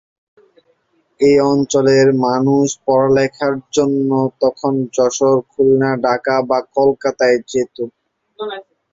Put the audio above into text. এ অঞ্চলের মানুষ লেখাপড়ার জন্য তখন যশোর, খুলনা, ঢাকা বা কলকাতা যেতো।